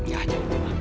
ya jangan itu mak